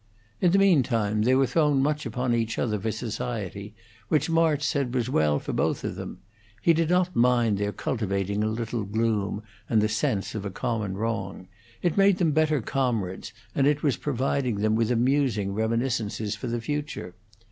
In the mean time they were thrown much upon each other for society, which March said was well for both of them; he did not mind their cultivating a little gloom and the sense of a common wrong; it made them better comrades, and it was providing them with amusing reminiscences for the future.